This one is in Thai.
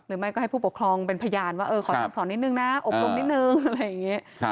หรือไม่ก็ให้ผู้ปกครองเป็นพยานว่าขอสั่งสอนนิดนึงนะอบรมนิดนึง